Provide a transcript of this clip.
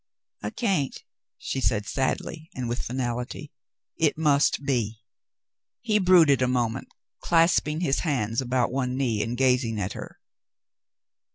"I can't," she said sadly and with finality. "It must be." He brooded a moment, clasping his hands about one knee and gazing at her.